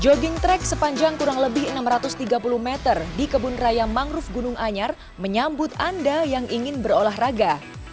jogging track sepanjang kurang lebih enam ratus tiga puluh meter di kebun raya mangrove gunung anyar menyambut anda yang ingin berolahraga